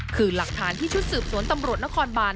คือหลักฐานที่ชุดสืบสวนตำรวจนครบาน